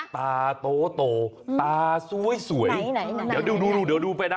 ตาโตโตตาสวยเดี๋ยวดูไปนะ